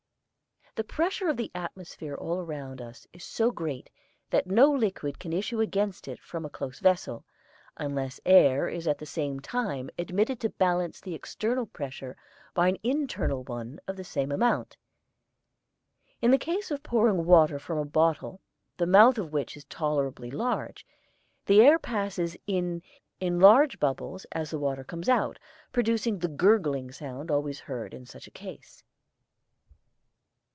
The pressure of the atmosphere all around us is so great that no liquid can issue against it from a close vessel, unless air is at the same time admitted to balance the external pressure by an internal one of the same amount. In the case of pouring water from a bottle the mouth of which is tolerably large, the air passes in in large bubbles as the water comes out, producing the gurgling sound always heard in such a case.